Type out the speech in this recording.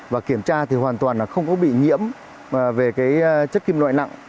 và kiểm tra thì hoàn toàn là không có bị nhiễm về cái chất kim loại nặng